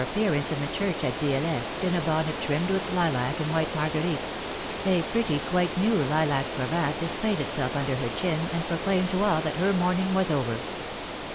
appearance in the church at Di^lette, in a bonnet trimmed with lilac and white marguerites ; a pretty, quite new lilac cravat displayed itself under her chin, and pro claimed to all that her mourning was over.